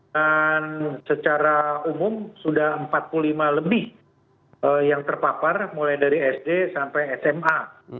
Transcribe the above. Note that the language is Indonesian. dan secara umum sudah empat puluh lima lebih yang terpapar mulai dari sd sampai sma